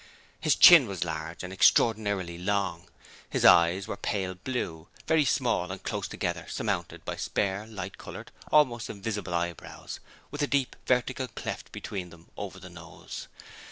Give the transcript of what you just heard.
His chin was large and extraordinarily long: the eyes were pale blue, very small and close together, surmounted by spare, light coloured, almost invisible eyebrows with a deep vertical cleft between them over the nose.